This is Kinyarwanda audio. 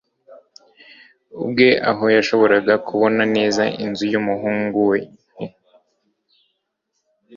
ubwe aho yashoboraga kubona neza inzu y'umuhungu we. i